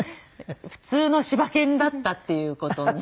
普通の柴犬だったっていう事が。